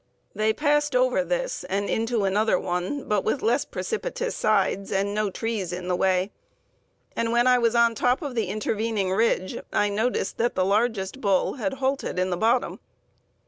They passed over this and into another one, but with less precipitous sides and no trees in the way, and when I was on top of the intervening ridge I noticed that the largest bull had halted in the bottom.